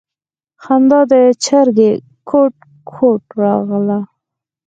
خندا د چرگې کوټ کوټ راغله.